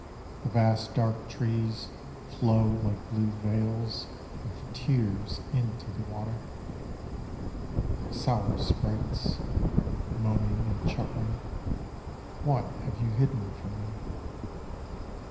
The vast dark trees Flow like blue veils Of tears Into the water. Sour sprites, Moaning and chuckling, What have you hidden from me?